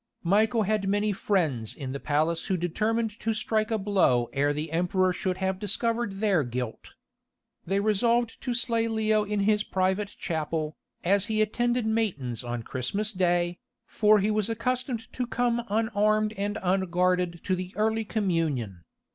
Michael had many friends in the palace who determined to strike a blow ere the Emperor should have discovered their guilt. They resolved to slay Leo in his private chapel, as he attended matins on Christmas Day, for he was accustomed to come unarmed and unguarded to the early communion.